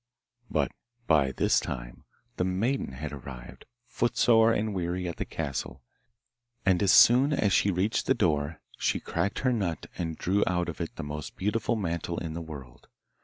But by this time the maiden had arrived footsore and weary at the castle, and as soon as she reached the door she cracked her nut and drew out of it the most beautiful mantle in the world.